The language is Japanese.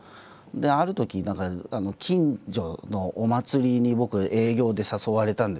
あるとき近所のお祭りに僕営業で誘われたんですね。